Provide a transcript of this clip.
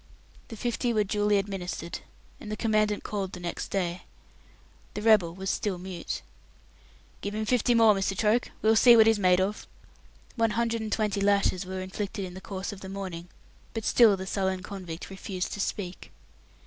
The fifty were duly administered, and the Commandant called the next day. The rebel was still mute. "Give him fifty more, Mr. Troke. We'll see what he's made of." One hundred and twenty lashes were inflicted in the course of the morning, but still the sullen convict refused to speak.